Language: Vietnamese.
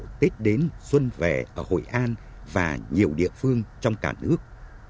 cây quất được đưa đến xuân vẻ ở hội an và nhiều địa phương trong cả nước